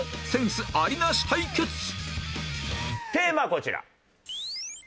テーマこちら。